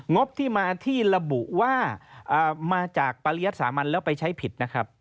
งบที่มาที่ระบุว่ามาจากปริยัติสามัญแล้วไปใช้ผิดนะครับ